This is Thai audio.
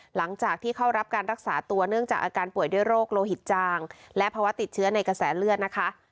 หลังจากที่เข้ารับการรักษาตัวเนื่องจากอาการป่วยด้วยโรคโลหิตจางและภาวะติดเชื้อในกระแสเลือดนะคะ